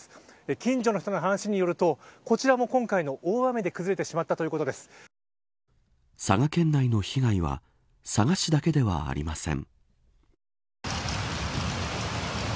近所の人の話によるとこちらも今回の大雨で佐賀県内の被害は佐賀市だけではありません。